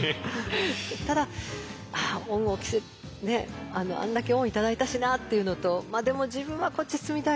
ただ恩を着せねあんだけ恩を頂いたしなっていうのとまあでも自分はこっち進みたいなって。